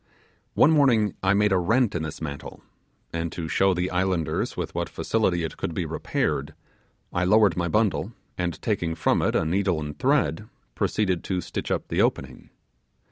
One morning I made a rent in this mantle; and to show the islanders with what facility it could be repaired, I lowered my bundle, and taking from it a needle and thread, proceeded to stitch up the opening.